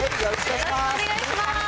よろしくお願いします。